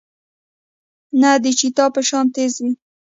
نۀ د چيتا پۀ شان تېز وي